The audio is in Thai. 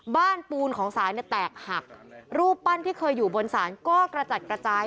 ปูนของศาลเนี่ยแตกหักรูปปั้นที่เคยอยู่บนศาลก็กระจัดกระจาย